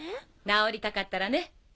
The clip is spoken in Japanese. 治りたかったらね。